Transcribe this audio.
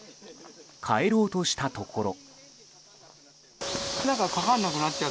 帰ろうとしたところ。